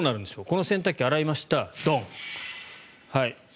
この洗濯機、洗いました。